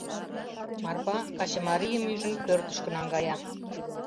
Марпа качымарийым, ӱжын, пӧртышкӧ наҥгая.